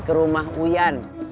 ke rumah uyan